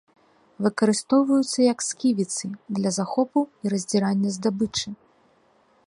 Выкарыстоўваюцца як сківіцы для захопу і раздзірання здабычы.